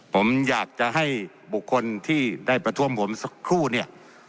ผมอยากจะให้บุคคลที่ได้ประท้วงผมสักครู่เนี่ย